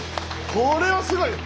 これはすごい。